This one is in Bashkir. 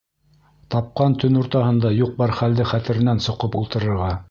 Тапҡан төн уртаһында юҡ-бар хәлде хәтеренән соҡоп ултырырға.